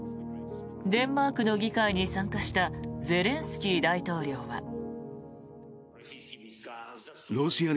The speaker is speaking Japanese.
デンマークの議会に参加したゼレンスキー大統領は。